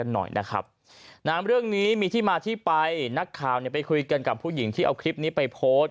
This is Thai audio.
นามเรื่องนี้มีที่มาที่ไปนักข่าวไปคุยกันกับผู้หญิงที่เอาคลิปนี้ไปโพสต์